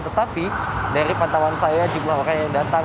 tetapi dari pantauan saya jumlah orang yang datang